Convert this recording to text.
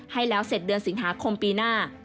ให้แล้วเสร็จเดือนสิงหาคมปีหน้า